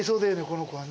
この子は。